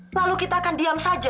selalu kita akan diam saja